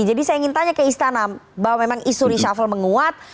jadi saya ingin tanya ke istana bahwa memang isu reshuffle menguat